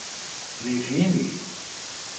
previne